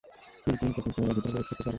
Seal team কখন পুনরায় ভেতরে প্রবেশ করতে পারবে?